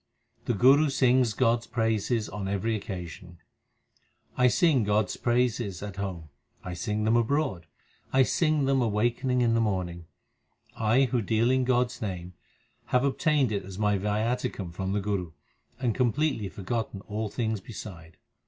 The Guru sings God s praises on every occasion : I sing God s praises at home, I sing them abroad, I sing them awaking in the morning. I, who deal in God s name, have obtained it as my viaticum from the Guru, And completely forgotten all things beside.